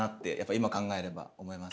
今考えれば思います。